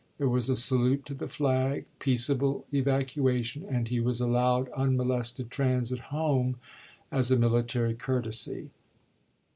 There was a salute to the flag, peaceable evacuation, and he was allowed unmolested transit home as a mili tary courtesy.